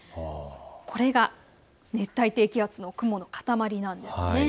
これが熱帯低気圧の雲の塊なんです。